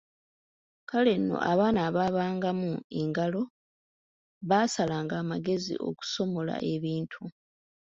Kale nno abaana abaabangamu engalo, baasalanga amagezi okusomola ebintu.